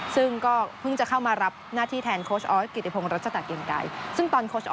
ซึ่งก็เพิ่งเข้ามารับหน้าที่แทนโค้ชอ๊อส